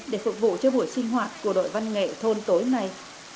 để phục vụ cho buổi sinh hoạt của đội văn nghệ thôn tối nay